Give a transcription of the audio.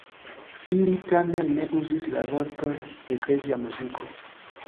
Ili tamen ne uzis la vorton „eklezia muziko“.